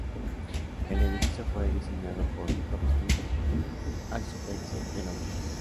El edificio fue diseñado por Hopkins Architects de Londres.